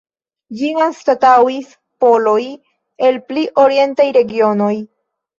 Ĝin anstataŭis poloj el pli orientaj regionoj.